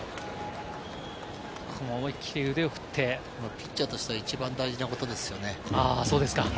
ピッチャーとしては一番大事なことですよね。